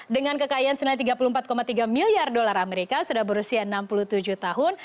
dengan kekayaan senilai tiga puluh empat tiga miliar dolar amerika sudah berusia enam puluh tujuh tahun